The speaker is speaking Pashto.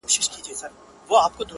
نمک خور دي له عمرونو د دبار یم؛